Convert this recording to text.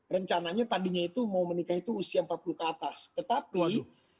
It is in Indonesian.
rencananya tadinya itu mau menikah itu usia empat puluh ke atas tetapi lalu